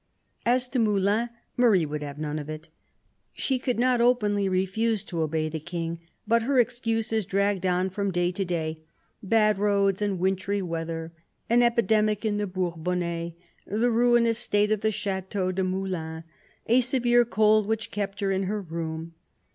As to Moulins, Marie would have none of it. She could not openly refuse to obey the King, but her excuses dragged on from day to day: bad roads and wintry weather; an epidemic in the Bourbonnais; the ruinous state of the Chateau de Moulins; a severe cold which kept her in her room.